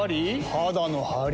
肌のハリ？